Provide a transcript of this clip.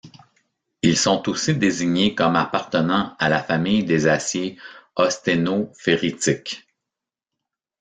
Ils sont aussi désignés comme appartenant à la famille des aciers austéno-ferritiques.